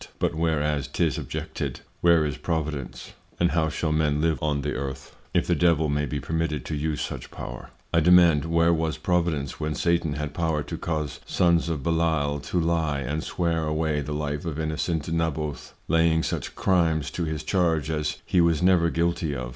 But whereas 'tis objected; where is Providence? And how shall Men live on the Earth, if the Devil may be permitted to use such Power? I demand, where was Providence, when Satan had Power to cause Sons of Belial to lye and swear away the Life of innocent Naboth, laying such Crimes to his charge as he was never guilty of?